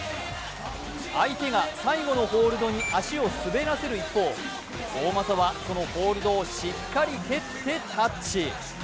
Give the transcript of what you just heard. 相手が最後のホールドに足を滑らせる一方、大政はそのホールドをしっかり蹴ってタッチ。